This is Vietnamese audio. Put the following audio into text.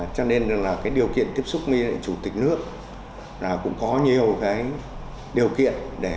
cho nên điều kiện tiếp xúc với chủ tịch nước cũng có nhiều điều kiện